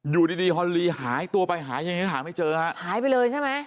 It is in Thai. อยู่ดีดีฮอนลีหายตัวไปหายังไงหาไม่เจอฮะหายไปเลยใช่ไหม